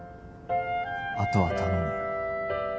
「あとは頼む」